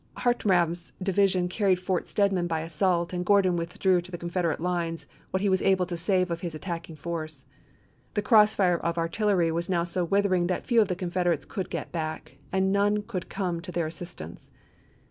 Hartranft's division carried Fort Stedman by assault, and Gordon withdrew to the Confederate lines what he was able to save of his attacking force. The cross fire of artillery was now so withering that few of the Confederates could get back, and none could come to their as sistance.